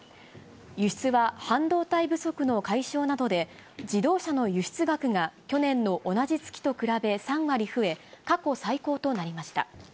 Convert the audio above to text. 輸出は半導体不足の解消などで、自動車の輸出額が去年の同じ月と比べ３割増え、過去最高となりました。